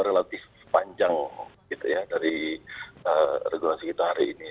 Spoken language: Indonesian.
relatif panjang gitu ya dari regulasi kita hari ini